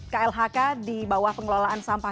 klhk di bawah pengelolaan sampah